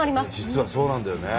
実はそうなんだよね。